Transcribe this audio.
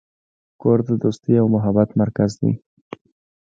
کور د دوستۍ او محبت مرکز دی.